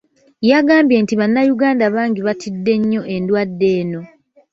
Yagambye nti Bannayuganda bangi batidde nnyo endwadde eno.